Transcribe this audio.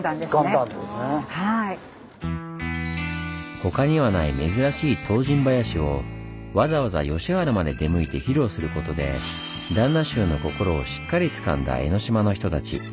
他にはない珍しい唐人囃子をわざわざ吉原まで出向いて披露することで旦那衆の心をしっかりつかんだ江の島の人たち。